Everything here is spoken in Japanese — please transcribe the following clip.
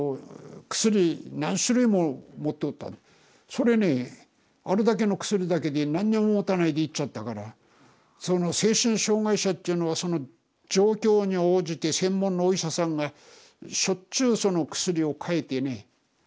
それねあれだけの薬だけで何にも持たないで行っちゃったからその精神障害者っていうのはその状況に応じて専門のお医者さんがしょっちゅうその薬をかえてね安定させんですよ。